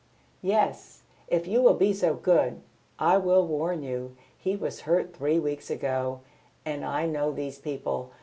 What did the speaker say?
"Yes, if you will be so good. I will warn you he was hurt three weeks ago, and I know these people.